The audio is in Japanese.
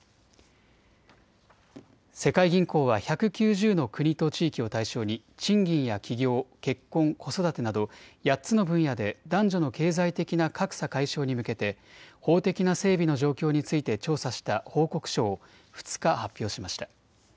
世界銀行は１９０の国と地域を対象に賃金や起業、結婚、子育てなど８つの分野で男女の経済的な格差解消に向けて法的な整備の状況について調査した報告書を２日、発表しました。